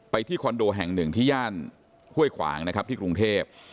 ที่คอนโดแห่งหนึ่งที่ย่านห้วยขวางนะครับที่กรุงเทพ